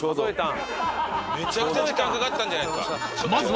「めちゃくちゃ時間かかったんじゃないですか？」